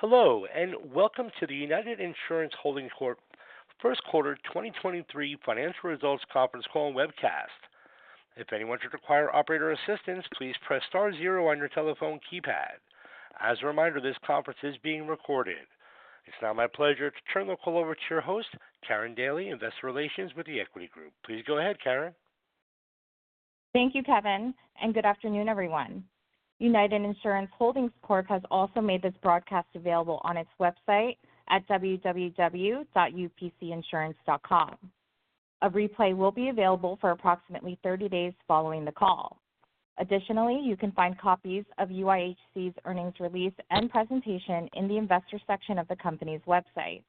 Hello, welcome to the United Insurance Holdings Corp first quarter 2023 financial results conference call and webcast. If anyone should require operator assistance, please press star zero on your telephone keypad. As a reminder, this conference is being recorded. It's now my pleasure to turn the call over to your host, Karin Daly, Investor Relations with The Equity Group. Please go ahead, Karin. Thank you, Kevin, and good afternoon, everyone. United Insurance Holdings Corp has also made this broadcast available on its website at www.upcinsurance.com. A replay will be available for approximately 30 days following the call. Additionally, you can find copies of UIHC's earnings release and presentation in the investors section of the company's website.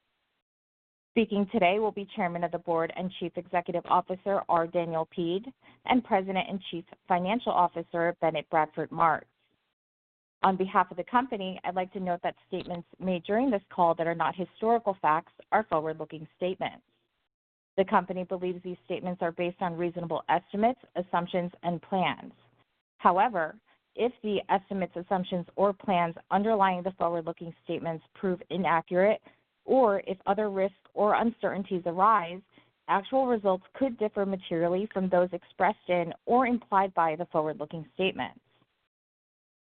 Speaking today will be Chairman of the Board and Chief Executive Officer, R. Daniel Peed, and President and Chief Financial Officer, B. Bradford Martz. On behalf of the company, I'd like to note that statements made during this call that are not historical facts are forward-looking statements. The company believes these statements are based on reasonable estimates, assumptions, and plans. However, if the estimates, assumptions, or plans underlying the forward-looking statements prove inaccurate or if other risks or uncertainties arise, actual results could differ materially from those expressed in or implied by the forward-looking statements.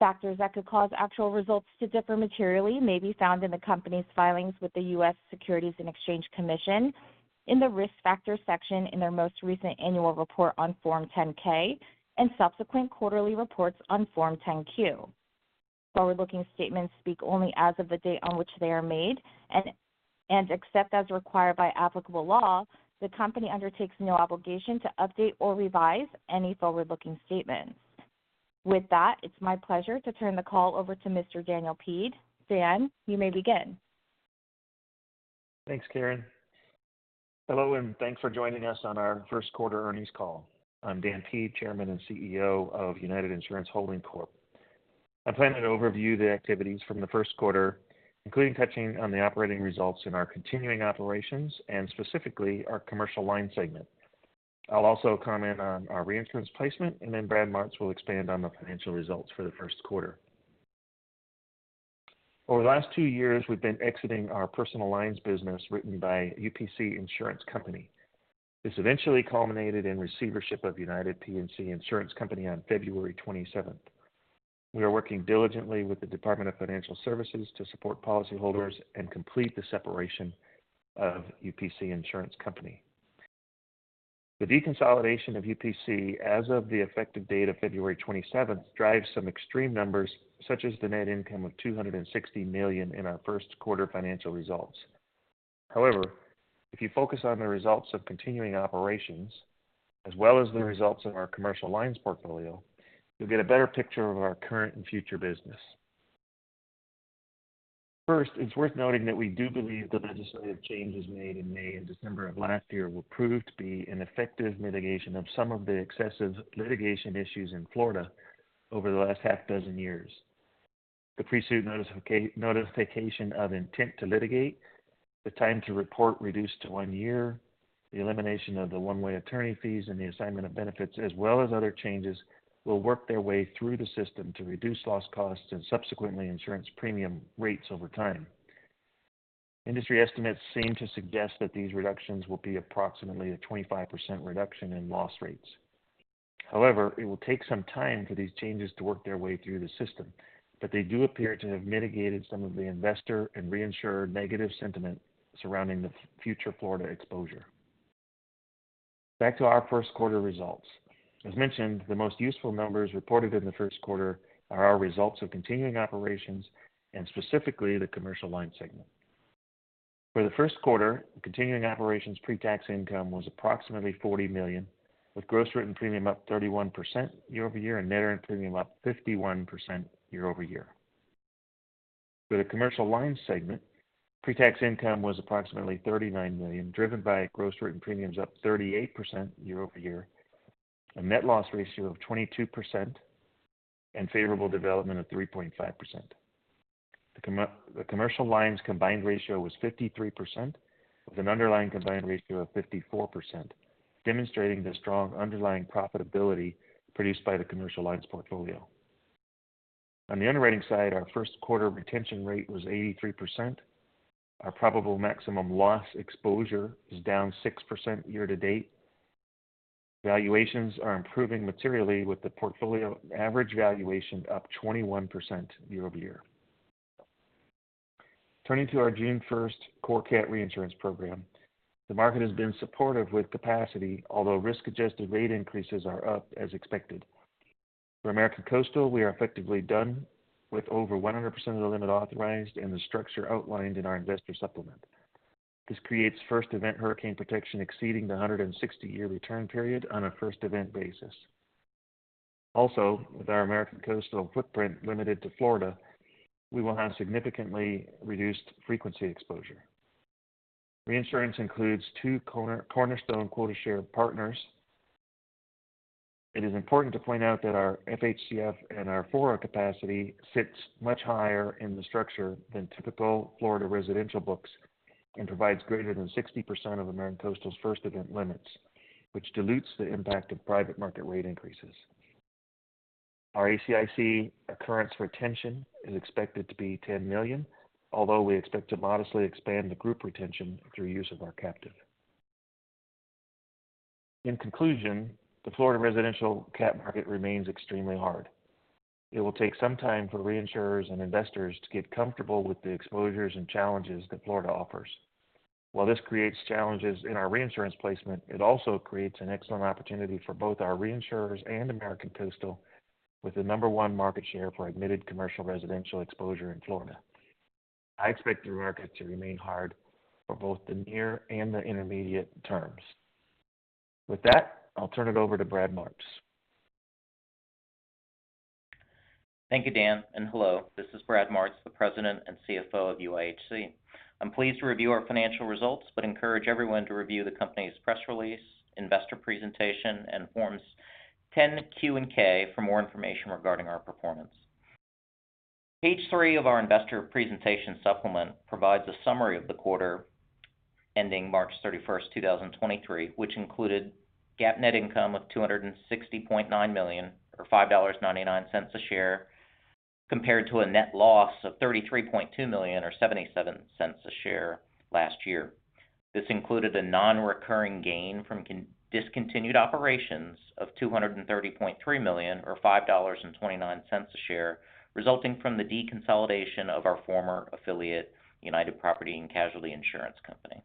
Factors that could cause actual results to differ materially may be found in the company's filings with the U.S. Securities and Exchange Commission in the Risk Factors section in their most recent annual report on Form 10-K and subsequent quarterly reports on Form 10-Q. Forward-looking statements speak only as of the date on which they are made, and except as required by applicable law, the company undertakes no obligation to update or revise any forward-looking statements. With that, it's my pleasure to turn the call over to Mr. Daniel Peed. Dan, you may begin. Thanks, Karin. Hello, and thanks for joining us on our first quarter earnings call. I'm Dan Peed, Chairman and CEO of United Insurance Holdings Corp. I plan to overview the activities from the first quarter, including touching on the operating results in our continuing operations and specifically our commercial line segment. I'll also comment on our reinsurance placement, and then Brad Martz will expand on the financial results for the first quarter. Over the last two years, we've been exiting our personal lines business written by UPC Insurance Company. This eventually culminated in receivership of United Property & Casualty Insurance Company on February 27th. We are working diligently with the Department of Financial Services to support policyholders and complete the separation of UPC Insurance Company. The deconsolidation of UPC as of the effective date of February twenty-seventh drives some extreme numbers, such as the net income of $260 million in our first quarter financial results. However, if you focus on the results of continuing operations as well as the results of our commercial lines portfolio, you'll get a better picture of our current and future business. First, it's worth noting that we do believe the legislative changes made in May and December of last year will prove to be an effective mitigation of some of the excessive litigation issues in Florida over the last half dozen years. The pre-suit notification of intent to litigate, the time to report reduced to one year, the elimination of the one-way attorney fees and the assignment of benefits, as well as other changes, will work their way through the system to reduce loss costs and subsequently insurance premium rates over time. Industry estimates seem to suggest that these reductions will be approximately a 25% reduction in loss rates. It will take some time for these changes to work their way through the system, but they do appear to have mitigated some of the investor and reinsurer negative sentiment surrounding the future Florida exposure. Back to our first quarter results. The most useful numbers reported in the first quarter are our results of continuing operations and specifically the commercial line segment. For the first quarter, continuing operations pre-tax income was approximately $40 million, with gross written premium up 31% year-over-year and net earned premium up 51% year-over-year. For the commercial lines segment, pre-tax income was approximately $39 million, driven by gross written premiums up 38% year-over-year, a net loss ratio of 22%, and favorable development of 3.5%. The commercial lines combined ratio was 53%, with an underlying combined ratio of 54%, demonstrating the strong underlying profitability produced by the commercial lines portfolio. On the underwriting side, our first quarter retention rate was 83%. Our probable maximum loss exposure is down 6% year to date. Valuations are improving materially with the portfolio average valuation up 21% year-over-year. Turning to our June first core cat reinsurance program, the market has been supportive with capacity, although risk-adjusted rate increases are up as expected. For American Coastal, we are effectively done with over 100% of the limit authorized and the structure outlined in our investor supplement. This creates first event hurricane protection exceeding the 160 year return period on a first event basis. Also, with our American Coastal footprint limited to Florida, we will have significantly reduced frequency exposure. Reinsurance includes two cornerstone quota share partners. It is important to point out that our FHCF and our FORA capacity sits much higher in the structure than typical Florida residential books and provides greater than 60% of American Coastal's first event limits, which dilutes the impact of private market rate increases. Our ACIC occurrence retention is expected to be $10 million, although we expect to modestly expand the group retention through use of our captive. In conclusion, the Florida residential cat market remains extremely hard. It will take some time for reinsurers and investors to get comfortable with the exposures and challenges that Florida offers. While this creates challenges in our reinsurance placement, it also creates an excellent opportunity for both our reinsurers and American Coastal with the Number 1 market share for admitted commercial residential exposure in Florida. I expect the market to remain hard for both the near and the intermediate terms. With that, I'll turn it over to Brad Martz. Thank you, Dan, and hello. This is Brad Martz, the President and CFO of UIHC. I'm pleased to review our financial results, but encourage everyone to review the company's press release, investor presentation, and Forms 10-Q and 10-K for more information regarding our performance. Page 3 of our investor presentation supplement provides a summary of the quarter ending March 31, 2023, which included GAAP net income of $260.9 million, or $5.99 a share, compared to a net loss of $33.2 million, or $0.77 a share last year. This included a non-recurring gain from discontinued operations of $230.3 million, or $5.29 a share, resulting from the deconsolidation of our former affiliate, United Property and Casualty Insurance Company.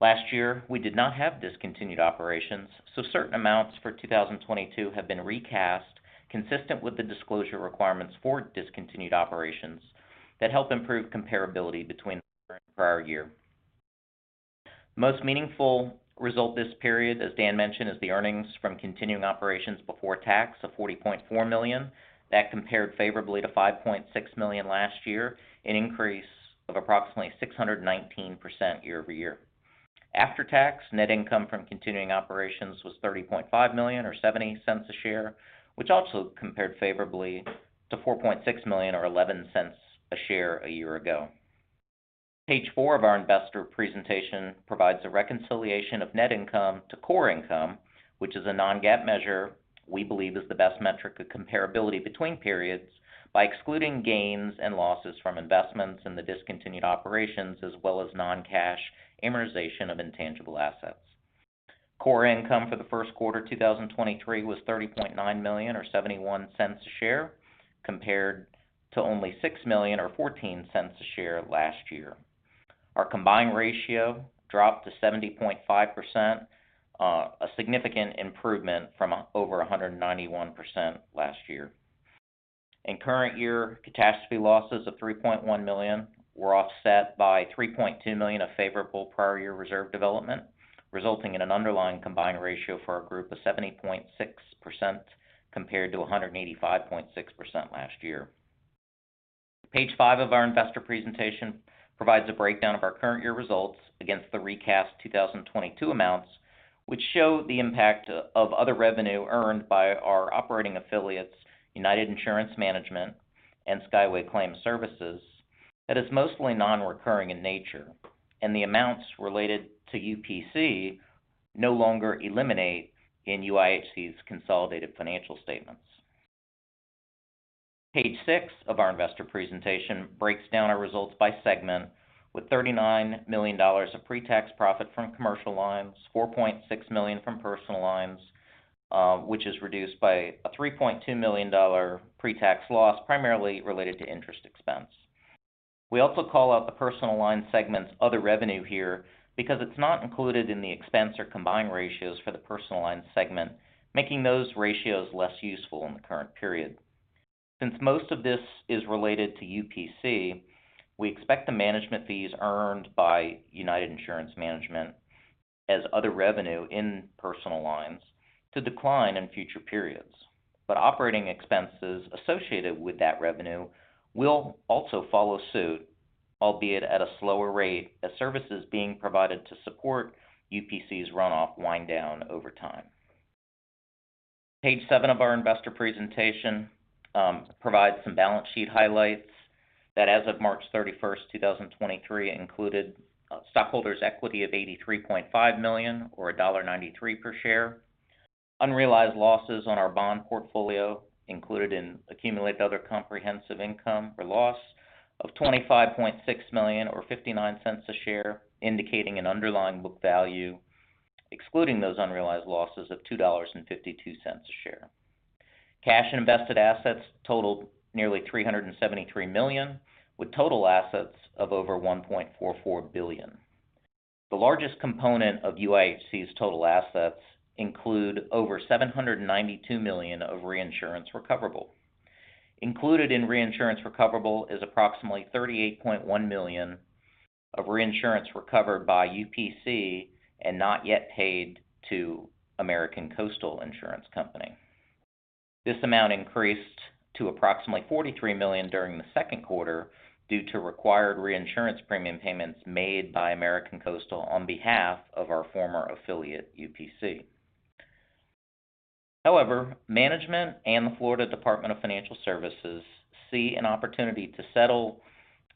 Last year, we did not have discontinued operations, certain amounts for 2022 have been recast consistent with the disclosure requirements for discontinued operations that help improve comparability between the current and prior year. The most meaningful result this period, as Dan mentioned, is the earnings from continuing operations before tax of $40.4 million. That compared favorably to $5.6 million last year, an increase of approximately 619% year-over-year. After tax, net income from continuing operations was $30.5 million, or $0.70 a share, which also compared favorably to $4.6 million, or $0.11 a share a year ago. Page four of our investor presentation provides a reconciliation of net income to core income, which is a non-GAAP measure we believe is the best metric of comparability between periods by excluding gains and losses from investments in the discontinued operations as well as non-cash amortization of intangible assets. Core income for the first quarter 2023 was $30.9 million, or $0.71 a share, compared to only $6 million, or $0.14 a share last year. Our combined ratio dropped to 70.5%, a significant improvement from over 191% last year. Current year catastrophe losses of $3.1 million were offset by $3.2 million of favorable prior year reserve development, resulting in an underlying combined ratio for our group of 70.6% compared to 185.6% last year. Page 5 of our investor presentation provides a breakdown of our current year results against the recast 2022 amounts, which show the impact of other revenue earned by our operating affiliates, United Insurance Management and Skyway Claims Services, that is mostly non-recurring in nature. The amounts related to UPC no longer eliminate in UIHC's consolidated financial statements. Page 6 of our investor presentation breaks down our results by segment with $39 million of pre-tax profit from commercial lines, $4.6 million from personal lines, which is reduced by a $3.2 million pre-tax loss primarily related to interest expense. We also call out the personal lines segment's other revenue here because it's not included in the expense or combined ratios for the personal lines segment, making those ratios less useful in the current period. Since most of this is related to UPC, we expect the management fees earned by United Insurance Management as other revenue in personal lines to decline in future periods. Operating expenses associated with that revenue will also follow suit, albeit at a slower rate as services being provided to support UPC's runoff wind down over time. Page 7 of our investor presentation provides some balance sheet highlights that as of March 31st, 2023, included stockholders' equity of $83.5 million or $1.93 per share. Unrealized losses on our bond portfolio included in accumulated other comprehensive income or loss of $25.6 million or $0.59 a share, indicating an underlying book value excluding those unrealized losses of $2.52 a share. Cash and invested assets totaled nearly $373 million, with total assets of over $1.44 billion. The largest component of UIHC's total assets include over $792 million of reinsurance recoverable. Included in reinsurance recoverable is approximately $38.1 million of reinsurance recovered by UPC and not yet paid to American Coastal Insurance Company. This amount increased to approximately $43 million during the second quarter due to required reinsurance premium payments made by American Coastal on behalf of our former affiliate, UPC. Management and the Florida Department of Financial Services see an opportunity to settle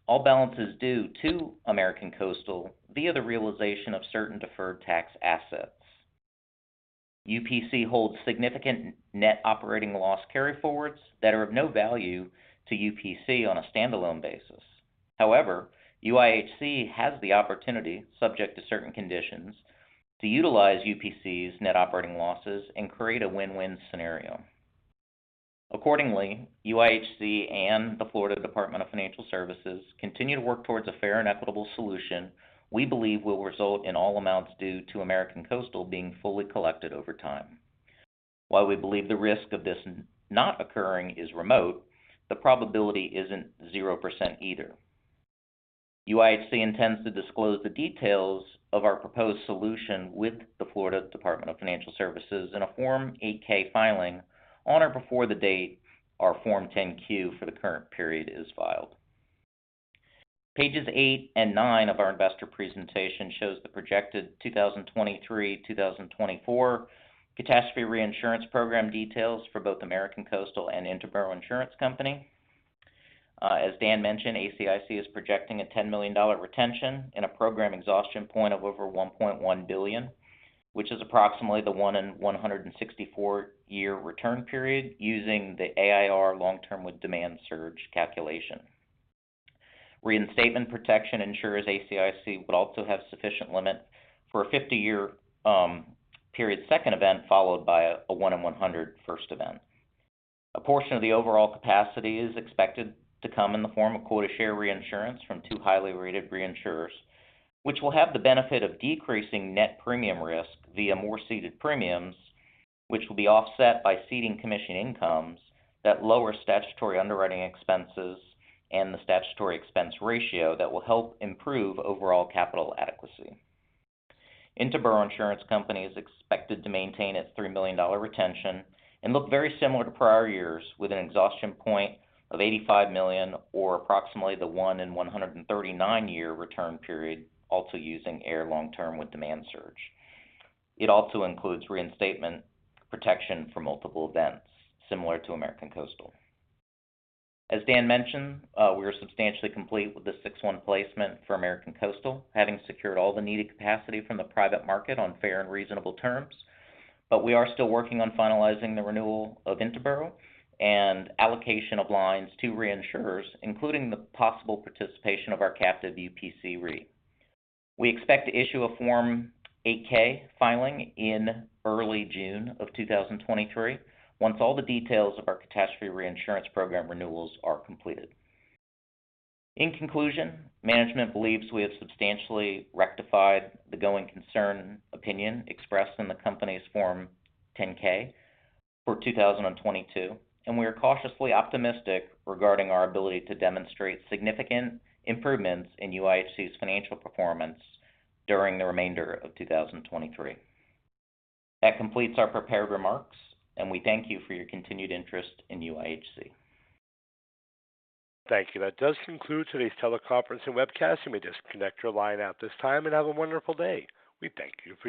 all balances due to American Coastal via the realization of certain deferred tax assets. UPC holds significant net operating loss carryforwards that are of no value to UPC on a standalone basis. UIHC has the opportunity, subject to certain conditions, to utilize UPC's net operating losses and create a win-win scenario. UIHC and the Florida Department of Financial Services continue to work towards a fair and equitable solution we believe will result in all amounts due to American Coastal being fully collected over time. We believe the risk of this not occurring is remote, the probability isn't 0% either. UIHC intends to disclose the details of our proposed solution with the Florida Department of Financial Services in a Form 8-K filing on or before the date our Form 10-Q for the current period is filed. Pages 8 and 9 of our investor presentation shows the projected 2023, 2024 catastrophe reinsurance program details for both American Coastal and Interboro Insurance Company. As Dan mentioned, ACIC is projecting a $10 million retention and a program exhaustion point of over $1.1 billion, which is approximately the one in 164-year return period using the AIR Long-Term with Demand Surge calculation. Reinstatement protection insurers ACIC would also have sufficient limit for a 50-year period second event, followed by a one in 100 first event. A portion of the overall capacity is expected to come in the form of quota share reinsurance from two highly rated reinsurers, which will have the benefit of decreasing net premium risk via more ceded premiums, which will be offset by ceding commission incomes that lower statutory underwriting expenses and the statutory expense ratio that will help improve overall capital adequacy. Interboro Insurance Company is expected to maintain its $3 million retention and look very similar to prior years with an exhaustion point of $85 million or approximately the one in 139 year return period, also using AIR Long-Term with Demand Surge. It also includes reinstatement protection for multiple events similar to American Coastal. As Dan mentioned, we are substantially complete with the six one placement for American Coastal, having secured all the needed capacity from the private market on fair and reasonable terms. We are still working on finalizing the renewal of Interboro and allocation of lines to reinsurers, including the possible participation of our captive UPC Re. We expect to issue a Form 8-K filing in early June of 2023 once all the details of our catastrophe reinsurance program renewals are completed. In conclusion, management believes we have substantially rectified the going concern opinion expressed in the company's Form 10-K for 2022. We are cautiously optimistic regarding our ability to demonstrate significant improvements in UIHC's financial performance during the remainder of 2023. That completes our prepared remarks. We thank you for your continued interest in UIHC. Thank you. That does conclude today's teleconference and webcast. You may disconnect your line at this time, and have a wonderful day. We thank you for your participation